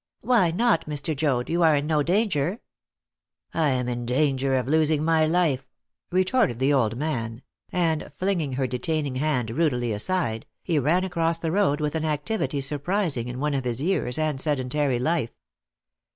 "Why not, Mr. Joad? You are in no danger?" "I am in danger of losing my life," retorted the old man, and, flinging her detaining hand rudely aside, he ran across the road with an activity surprising in one of his years and sedentary life.